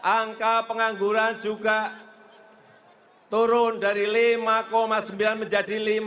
angka pengangguran juga turun dari lima sembilan menjadi lima